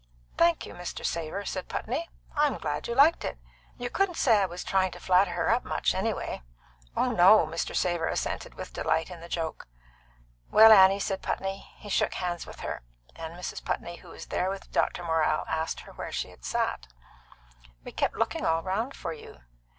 "Thank you, Mr. Savor," said Putney; "I'm glad you liked it. You couldn't say I was trying to flatter her up much, anyway." "No, no!" Mr. Savor assented, with delight in the joke. "Well, Annie," said Putney. He shook hands with her, and Mrs. Putney, who was there with Dr. Morrell, asked her where she had sat. "We kept looking all round for you."